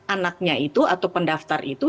anaknya itu atau pendaftar itu